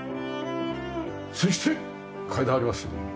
そして階段あります。